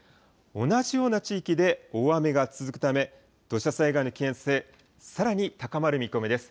同じような地域で大雨が続くため、土砂災害の危険性、さらに高まる見込みです。